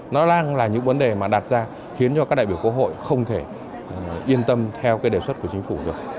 nó đang là những vấn đề mà đặt ra khiến cho các đại biểu quốc hội không thể yên tâm theo cái đề xuất của chính phủ được